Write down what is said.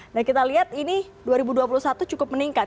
nah kita lihat ini dua ribu dua puluh satu cukup meningkat